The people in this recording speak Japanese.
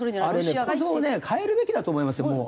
あれね構造をね変えるべきだと思いますよ